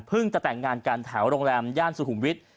จะแต่งงานกันแถวโรงแรมย่านสุขุมวิทย์